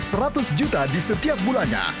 rp seratus juta di setiap bulannya